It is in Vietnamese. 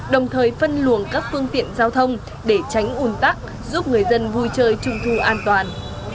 đồng thời phân luồng các phương tiện giao thông để tránh ủn tắc giúp người dân vui chơi trung thu an toàn